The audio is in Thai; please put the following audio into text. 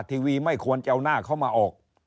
ทีวีไม่ควรจะเอาหน้าเขามาออก